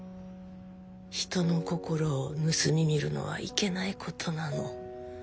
人の心を盗み見るのはいけないことなの。